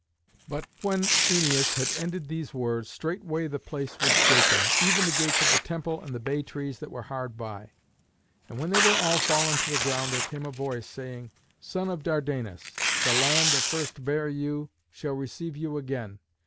But when Æneas had ended these words, straightway the place was shaken, even the gates of the temple and the bay trees that were hard by. And when they were all fallen to the ground there came a voice, saying, "Son of Dardanus, the land that first bare you shall receive you again.